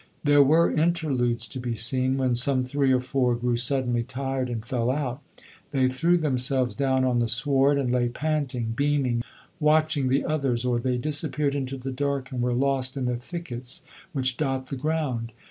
There were interludes to be seen, when some three or four grew suddenly tired and fell out. They threw themselves down on the sward and lay panting, beaming, watching the others, or they disappeared into the dark and were lost in the thickets which dot the ground.